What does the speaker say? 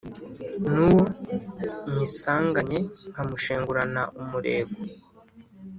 n' uwo nyisanganye nkamushengurana umurego